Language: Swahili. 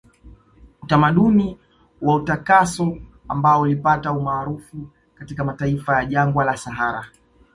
Utamaduni wa utakaso ambao ulipata umaarufu katika mataifa ya jangwa la sahara